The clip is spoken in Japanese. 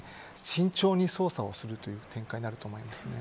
慎重に捜査をするという展開になると思います。